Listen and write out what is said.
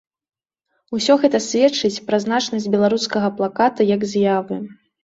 Усё гэта сведчыць пра значнасць беларускага плаката як з'явы.